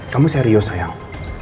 kamu serius sayang